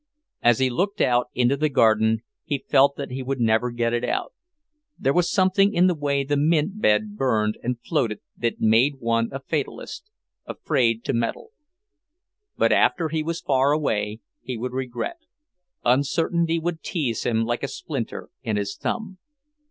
As he looked out into the garden he felt that he would never get it out. There was something in the way the mint bed burned and floated that made one a fatalist, afraid to meddle. But after he was far away, he would regret; uncertainty would tease him like a splinter in his thumb.